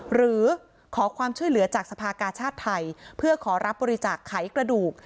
หรือขอความช่วยเหลือจากสภากาชาติไทยเพื่อขอรับบริจาคไขกระดูก